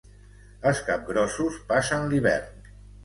Els capgrossos passen l'hivern.